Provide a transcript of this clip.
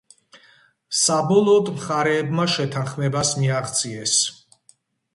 საბოლოოდ მხარეებმა შეთანხმებას მიაღწიეს.